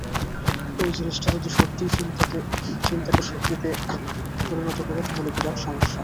ওই জিনিসটা যদি সত্যিই চিন্তাকে শক্তিতে পরিণত করে, তাহলে বিরাট সমস্যা।